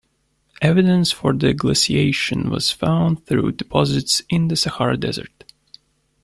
Evidence for the glaciation was found through deposits in the Sahara Desert.